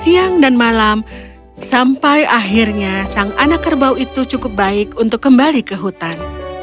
siang dan malam sampai akhirnya sang anak kerbau itu cukup baik untuk kembali ke hutan